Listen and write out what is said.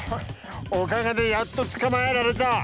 おかげでやっとつかまえられた。